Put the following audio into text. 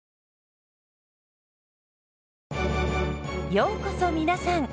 ようこそ皆さん。